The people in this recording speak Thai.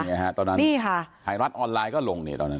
นี่ฮะตอนนั้นนี่ค่ะไทยรัฐออนไลน์ก็ลงเนี่ยตอนนั้น